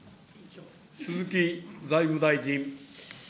鈴木財務大臣。